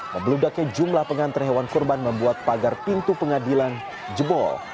membeludaknya jumlah pengantre hewan kurban membuat pagar pintu pengadilan jebol